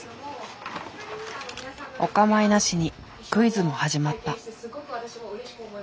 お構いなしにクイズも始まった。